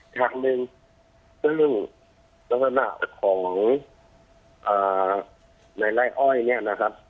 ทางหนึ่งซึ่งธรรมดาของในไร่อ้อยเนี่ยนะครับ